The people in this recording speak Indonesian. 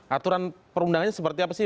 aturan perundangannya seperti apa sih